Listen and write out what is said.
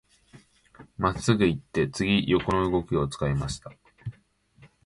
真っすぐ行って、次、横の動きを使いました。